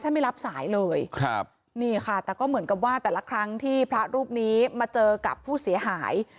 ไม่รับสายเลยครับนี่ค่ะแต่ก็เหมือนกับว่าแต่ละครั้งที่พระรูปนี้มาเจอกับผู้เสียหาย